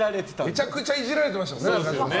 めちゃくちゃいじられていましたよね。